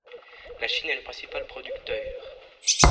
La Chine est le principal producteur.